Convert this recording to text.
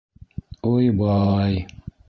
Уй-бай.